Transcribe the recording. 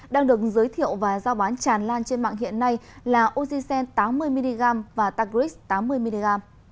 đang được giới thiệu và giao bán tràn lan trên mạng hiện nay là oxysen tám mươi mg và tagrix tám mươi mg